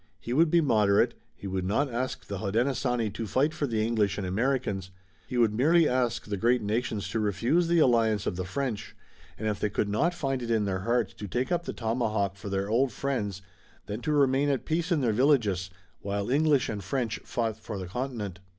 He would be moderate, he would not ask the Hodenosaunee to fight for the English and Americans, he would merely ask the great nations to refuse the alliance of the French, and if they could not find it in their hearts to take up the tomahawk for their old friends then to remain at peace in their villages, while English and French fought for the continent.